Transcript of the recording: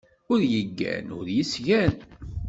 Ur yeggan, ur yesgan.